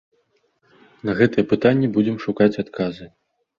На гэтыя пытанні будзем шукаць адказы.